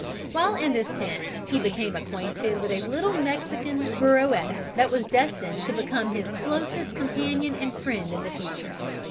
While in this tent he became acquainted with a little Mexican Burroetta that was destined to become his closest companion and friend in the future.